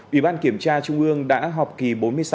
ủy ban kiểm tra trung ương đã họp kỳ bốn mươi sáu